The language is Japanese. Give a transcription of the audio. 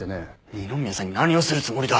二宮さんに何をするつもりだ。